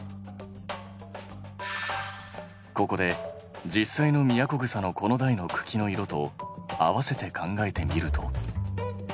ここで実際のミヤコグサの子の代の茎の色と合わせて考えてみると。